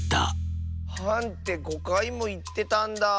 「はん」って５かいもいってたんだあ。